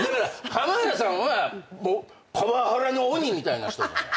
浜田さんはパワハラの鬼みたいな人じゃない。